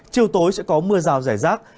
chiều tối sẽ có mưa rào rải rác